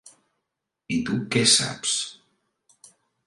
I tu, què saps?